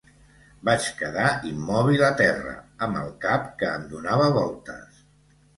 Vaig quedar immòbil a terra, amb el cap que em donava voltes.